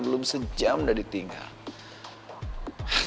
demi petukih di depan buku alkohol